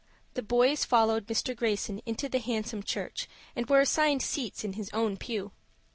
The boys followed Mr. Greyson into the handsome church, and were assigned seats in his own pew.